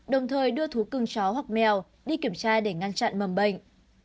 đồng thời đưa thú cưng chó hoặc mèo đi kiểm tra để ngăn chặn mầm bệnh